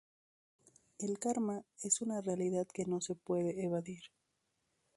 El karma es una realidad que no se puede evadir.